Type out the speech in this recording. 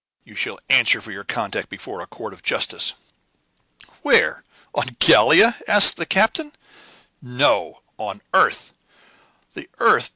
"You shall answer for your conduct before a court of justice!" "Where? On Gallia?" asked the captain. "No; on the earth." "The earth!